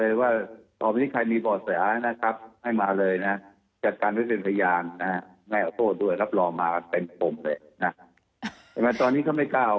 อันนี้เป้าไปอยู่ที่ตัวบุคคลหรือเปล่าค่ะท่าน